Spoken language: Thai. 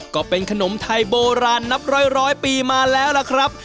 ก็เป็นขนมไทยโบราณนับร้อยปีมาแล้วล่ะครับ